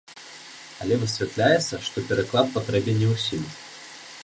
Але высвятляецца, што пераклад патрэбен не ўсім.